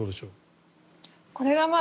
これは。